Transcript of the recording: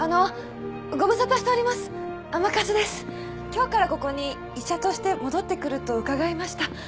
今日からここに医者として戻ってくると伺いました。